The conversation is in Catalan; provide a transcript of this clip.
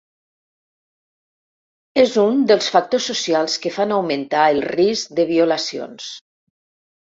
És un dels factors socials que fan augmentar el risc de violacions.